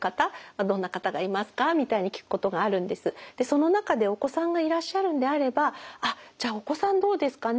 その中でお子さんがいらっしゃるんであればあっじゃあお子さんどうですかね？